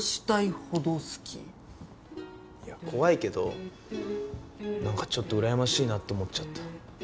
いや怖いけど何かちょっと羨ましいなと思っちゃった。